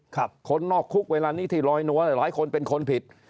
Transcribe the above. คนนอกคุกเวลานี้ที่ลอยนัวหลายคนเป็นคนผิด